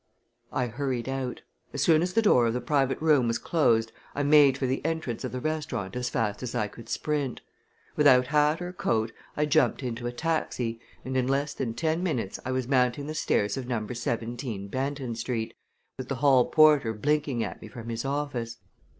I hurried out. As soon as the door of the private room was closed I made for the entrance of the restaurant as fast as I could sprint. Without hat or coat I jumped into a taxi, and in less than ten minutes I was mounting the stairs of Number 17, Banton Street, with the hall porter blinking at me from his office.